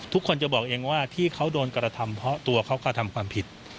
ทุกคนจะบอกเองว่าที่เขาโดนกระทำเพราะตัวเขากระทำความผิด